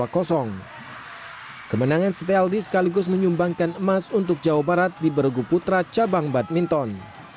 kemenangan setialdi sekaligus menyumbangkan emas untuk jawa barat di berguputra cabang badminton